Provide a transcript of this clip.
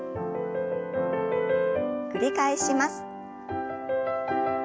繰り返します。